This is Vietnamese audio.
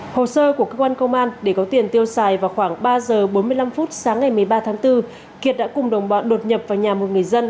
hồ sơ của cơ quan công an để có tiền tiêu xài vào khoảng ba giờ bốn mươi năm phút sáng ngày một mươi ba tháng bốn kiệt đã cùng đồng bọn đột nhập vào nhà một người dân